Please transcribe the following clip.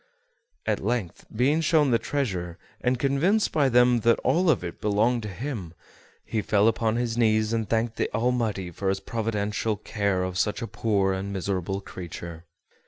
At length, being shown the treasure, and convinced by them that all of it belonged to him, he fell upon his knees and thanked the Almighty for his providential care of such a poor and miserable creature.